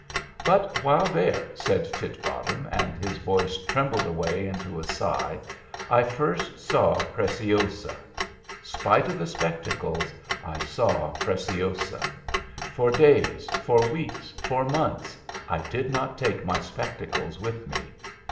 "But while there," said Titbottom, and his voice trembled away into a sigh, "I first saw Preciosa. Spite of the spectacles, I saw Preciosa. For days, for weeks, for months, I did not take my spectacles with me.